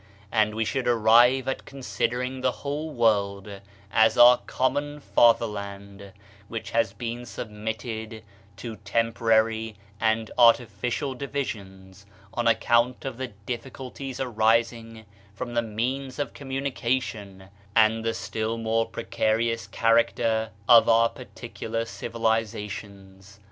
And we should arrive at considering the whole world as our common fatherland, which has been submitted to temporary and artificial divisions on account of the difficulties arising from the means of com munication, and the still more precarious character of our particular civilisations.